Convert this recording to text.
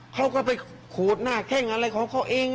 เขาก็ไปขูดหน้าแข้งอะไรของเขาเอง